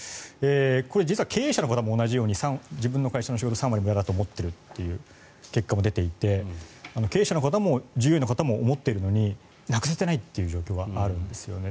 これ実は経営者の方も同じように自分の会社の仕事３割無駄だと思っているという結果が出ていて経営者の方も従業員の方も思っているのでなくせていないという状況があるんですよね。